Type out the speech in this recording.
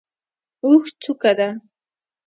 اوښ څوکه ده.